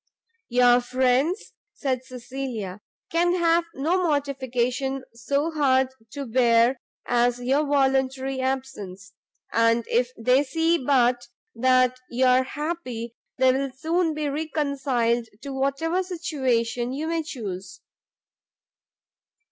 "Your friends," said Cecilia, "can have no mortification so hard to bear as your voluntary absence; and if they see but that you are happy, they will soon be reconciled to whatever situation you may chuse."